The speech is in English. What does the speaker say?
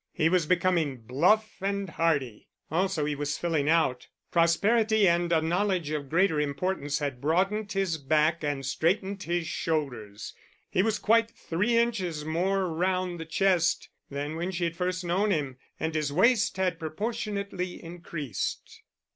He was becoming bluff and hearty. Also he was filling out. Prosperity and a knowledge of greater importance had broadened his back and straightened his shoulders; he was quite three inches more round the chest than when she had first known him, and his waist had proportionately increased.